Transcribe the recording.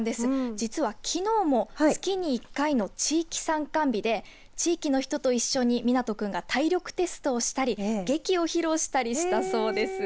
実はきのうも月に１回の地域参観日で地域の人と一緒に海那人君が体力テストをしたり劇を披露したりしたそうです。